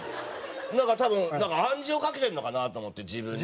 なんか多分暗示をかけてるのかなと思って自分に。